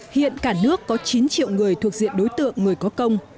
hiện cả nước có chín triệu người thuộc diện đối tượng người có công